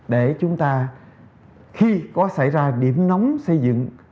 để chúng ta khi có xảy ra điểm nóng xây dựng